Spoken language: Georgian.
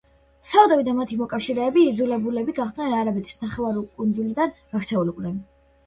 საუდები და მათი მოკავშირეები იძულებულები გახდნენ არაბეთის ნახევარკუნძულიდან გაქცეულიყვნენ.